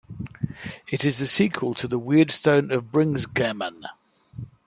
It is the sequel to "The Weirdstone of Brisingamen".